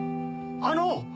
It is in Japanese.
あの！